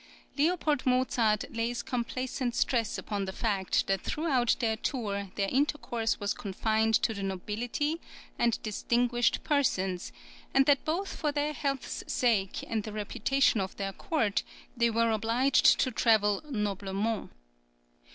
L. Mozart lays complacent stress upon the fact that throughout their tour, their intercourse was confined to the nobility and distinguished persons, and that both for their health's sake and the reputation of their court, they were obliged to travel noblement.